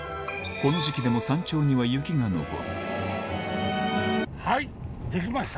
この時期でも山頂には雪が残る「できました」？